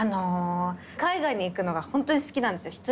海外の行くのが本当に好きなんですよ